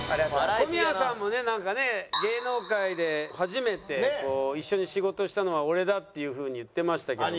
小宮さんもねなんかね芸能界で初めて一緒に仕事したのは俺だっていう風に言ってましたけども。